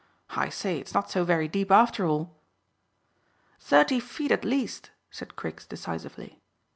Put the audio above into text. I say, it's not so very deep, after all." "Thirty feet at least," said Chris decisively.